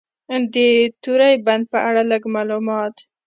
د توری بند په اړه لنډ معلومات: